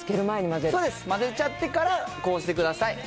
そうです、混ぜちゃってからこうしてください。